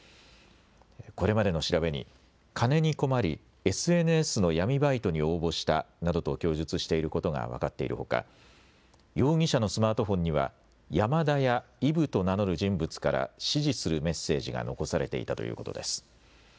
これまでの調べに金に困りＳＮＳの闇バイトに応募したなどと供述していることが分かっているほか容疑者のスマートフォンには山田やイヴと名乗る人物から指示するメッセージが残されていたということです。